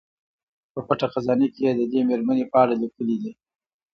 په پټه خزانه کې یې د دې میرمنې په اړه لیکلي دي.